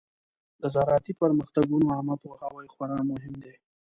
د زراعتي پرمختګونو عامه پوهاوی خورا مهم دی.